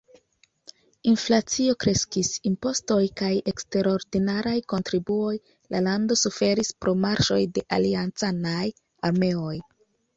Inflacio kreskis, impostoj kaj eksterordinaraj kontribuoj, la lando suferis pro marŝoj de aliancanaj armeoj.